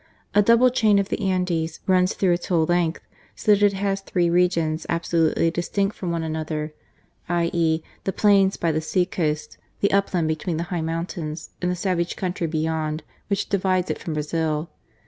A double chain of the Andes runs through its whole length, so that it has three regions absolutely distinct from one another, i.e., the plains by the sea coast, the upland between the high mountains, and the savage country beyond, which divides it from Brazil.